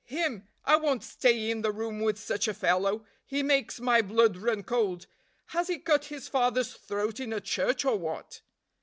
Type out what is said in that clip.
" him; I won't stay in the room with such a fellow, he makes my blood run cold. Has he cut his father's throat in a church, or what?"